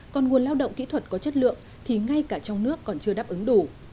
còn nguồn lao động kỹ thuật có chất lượng thì ngay cả trong nước còn chưa đáp ứng đủ